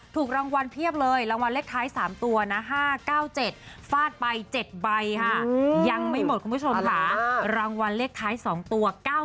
ถูกรางวัลเพียบเลยรางวัลเลขท้าย๓ตัวนะ๕๙๗ฟาดใบ๗ใบค่ะ